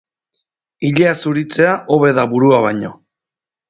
Ilea zuritzea hobe da burua baino.